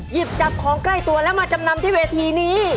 หยิบจับของใกล้ตัวแล้วมาจำนำที่เวทีนี้